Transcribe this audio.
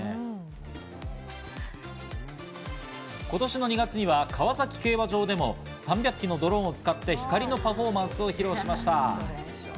今年の２月には川崎競馬場でも３００機のドローンを使って、光のパフォーマンスを披露しました。